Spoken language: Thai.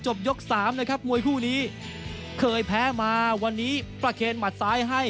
ยกสามนะครับมวยคู่นี้เคยแพ้มาวันนี้ประเคนหมัดซ้ายให้